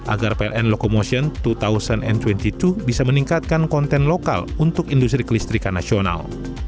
agar pln locomotion dua ribu dua puluh dua bisa meningkatkan konten lokal untuk industri kelistrikan nasional